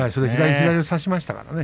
左を差しましたからね。